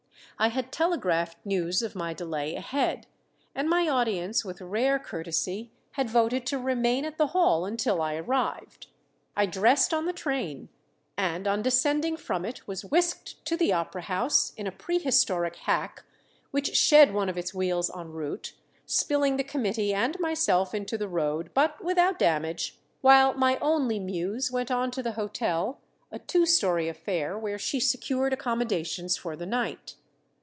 I had telegraphed news of my delay ahead, and my audience with rare courtesy had voted to remain at the hall until I arrived. I dressed on the train, and on descending from it was whisked to the opera house in a prehistoric hack, which shed one of its wheels en route, spilling the committee and myself into the road, but without damage; while my Only Muse went on to the hotel, a two story affair, where she secured accommodations for the night.